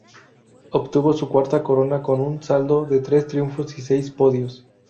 Obtuvo su cuarta corona con un saldo de tres triunfos y seis podios.